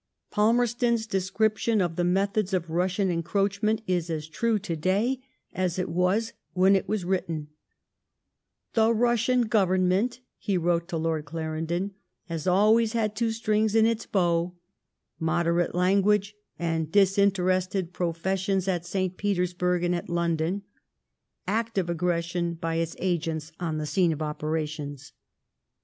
Falmerston's description of the methods of Bussian ■encroachment is as true to day as it was when it was written :— The Russian Goyemment [he wrote to Lord Clarendon] has always had two strings to its bow— moderate language and disinterested pro feesionB at St. Petersburg and at London ; active aggression by its agents on the scene of operations.